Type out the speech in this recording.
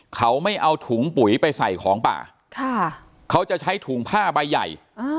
เขาไม่เอาถุงปุ๋ยไปใส่ของป่าเขาจะใช้ถุงผ้าใบใหญ่